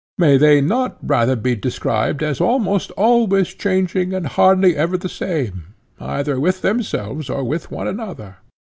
May they not rather be described as almost always changing and hardly ever the same, either with themselves or with one another?